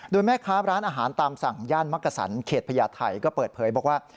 โดยแม่ค้าร้านอาหารตามสั่งย่านมักกะสันเขตพญาไทยก็เปิดเผยบอกว่า